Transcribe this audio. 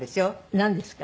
なんですか？